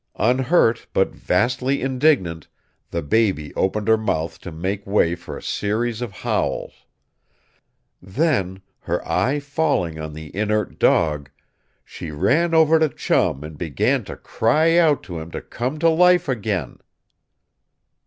Unhurt but vastly indignant, the baby opened her mouth to make way for a series of howls. Then, her eye falling on the inert dog, she ran over to Chum and began to cry out to him to come to life again.